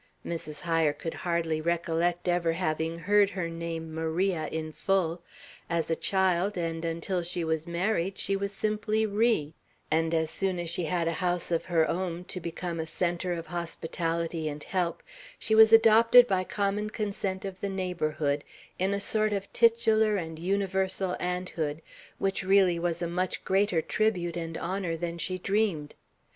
Mrs. Hyer could hardly recollect ever having heard her name, "Maria," in full; as a child, and until she was married, she was simply "Ri;" and as soon as she had a house of her own, to become a centre of hospitality and help, she was adopted by common consent of the neighborhood, in a sort of titular and universal aunt hood, which really was a much greater tribute and honor than she dreamed.